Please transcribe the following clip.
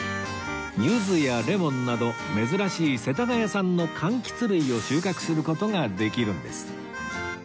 柚子やレモンなど珍しい世田谷産の柑橘類を収穫する事ができるんです